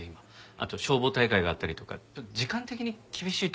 あと消防大会があったりとか時間的に厳しいと思うんですよ。